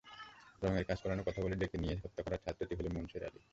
রঙের কাজ করানোর কথা বলে ডেকে নিয়ে হত্যা করা ছাত্রটি হলো মুনসের আলী।